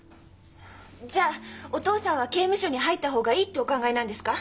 じゃあ「お父さんは刑務所に入った方がいい」ってお考えなんですか？